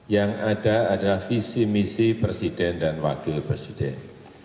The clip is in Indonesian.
yang ada adalah visi misi presiden dan wakil presiden